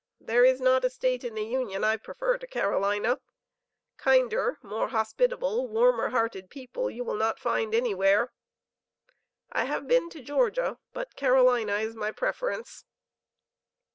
There is not a state in the Union I prefer to Carolina. Kinder, more hospitable, warmer hearted people perhaps you will not find anywhere. I have been to Georgia; but Carolina is my preference.